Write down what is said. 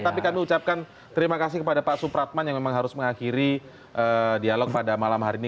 tapi kami ucapkan terima kasih kepada pak supratman yang memang harus mengakhiri dialog pada malam hari ini